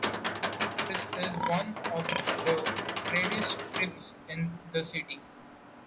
This is one of the trendiest strips in the city.